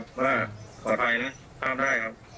ขอบใจนะข้ามได้ครับ